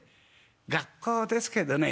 学校ですけどね」。